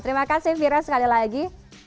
terima kasih vira sekali lagi